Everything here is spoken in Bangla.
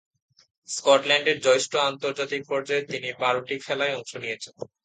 স্কটল্যান্ডের জ্যেষ্ঠ আন্তর্জাতিক পর্যায়ে তিনি বারোটি খেলায় অংশ নিয়েছেন।